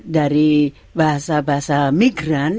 dari bahasa bahasa migran